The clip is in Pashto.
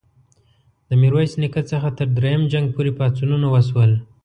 د میرویس نیکه څخه تر دریم جنګ پوري پاڅونونه وشول.